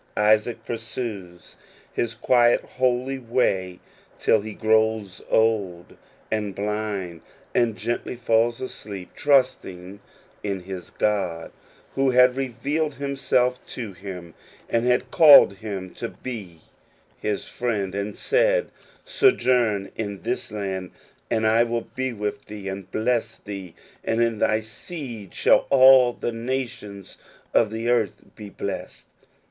Isaac pursues his quiet holy way till he grows old and blind, and gently falls asleep trusting in his God, who had revealed Himself to him, and had called him to be his friend, and had said, " Sojourn in this land, and I will be with thee and bless thee, and in thy seed shall all the nations of the earth be blessed.